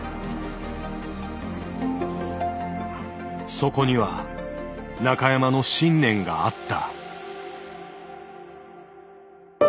そこには中山の信念があった。